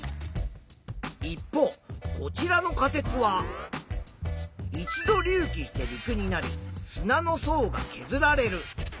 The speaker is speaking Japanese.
一方こちらの仮説は一度隆起して陸になり砂の層がけずられる。